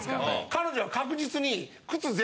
彼女は確実に。